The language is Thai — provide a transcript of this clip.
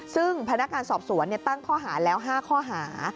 ซึ่งพนักงานสอบสวนตั้งข้อหาแล้ว๕ข้อหา